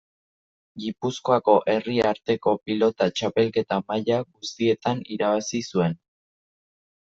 Gipuzkoako Herri Arteko Pilota txapelketa maila guztietan irabazi zuen.